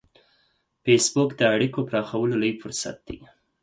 فېسبوک د اړیکو پراخولو لوی فرصت دی